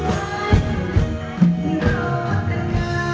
โอ๊ยที่เกิด